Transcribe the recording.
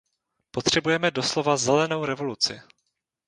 Potřebujeme doslova zelenou revoluci.